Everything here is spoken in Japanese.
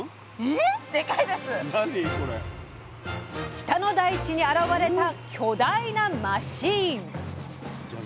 北の大地に現れた巨大なマシーン。